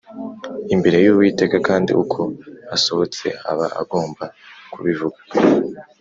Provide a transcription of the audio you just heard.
imbere y Uwiteka kandi uko asohotse aba agomba kubivuga